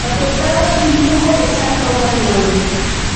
La portada es un dibujo de Santos Bañado.